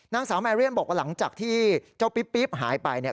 นางสาวแมเรียนบอกว่าหลังจากที่เจ้าปิ๊บหายไปเนี่ย